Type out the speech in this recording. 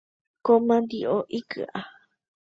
Ko mandi’o iky’a.